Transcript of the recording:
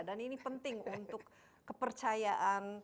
dan ini penting untuk kepercayaan